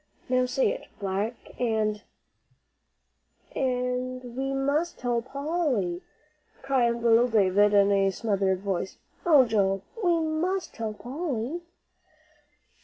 Now say it, 'black and "' "And we must tell Polly," cried little Davie, in a smothered voice. "Oh, Joel, we must tell Polly."